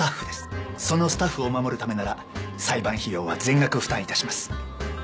そのスタッフを守るためなら裁判費用は全額負担致します。